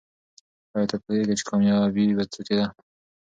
آیا ته پوهېږې چې کامیابي په څه کې ده؟